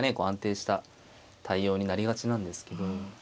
安定した対応になりがちなんですけど。